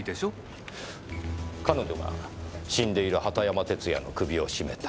彼女が死んでいる畑山哲弥の首を絞めた？